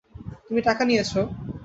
তুমি টাকা নিয়েছো?